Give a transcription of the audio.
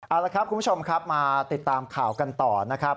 เอาละครับคุณผู้ชมครับมาติดตามข่าวกันต่อนะครับ